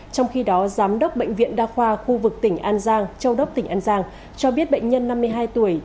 trong khi đó giám đốc bệnh viện đa khoa khu vực tỉnh an giang châu đốc tỉnh an giang cho biết bệnh nhân năm mươi hai tuổi